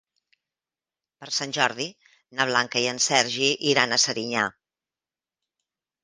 Per Sant Jordi na Blanca i en Sergi iran a Serinyà.